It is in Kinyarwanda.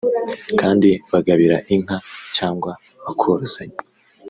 kandi bagabira inka cyangwa bakorozanya”